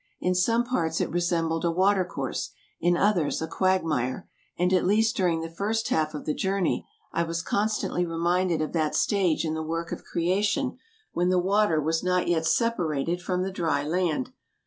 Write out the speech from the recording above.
In some parts it resembled a water course, in others a quag mire, and at least during the first half of the journey I was constantly reminded of that stage in die work of creation when the water was not yet separated from the dry land.